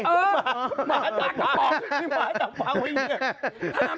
เออหมาจับวางหมาจับวางไว้เยี่ยม